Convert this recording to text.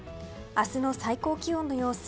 明日の最高気温の様子